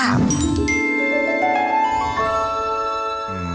มะม่วงของประเทศไทย